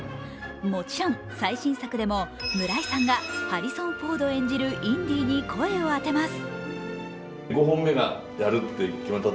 もちろん最新作でも村井さんがハリソン・フォードを演じるインディに声を当てます。